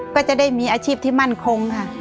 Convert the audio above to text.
ก็จะได้มีอาชีพที่มั่นคงค่ะ